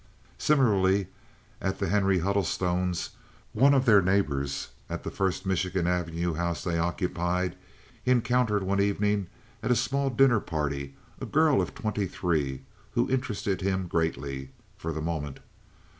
Similarly, at the Henry Huddlestones', one of their neighbors at the first Michigan Avenue house they occupied, he encountered one evening at a small dinner party a girl of twenty three who interested him greatly—for the moment.